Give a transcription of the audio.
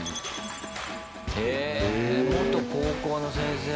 へぇ、元高校の先生。